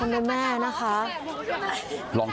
อยากจะเห็นว่าลูกเป็นยังไงอยากจะเห็นว่าลูกเป็นยังไง